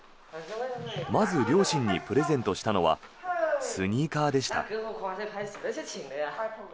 まず両親にプレゼントしたのはスニーカーでした。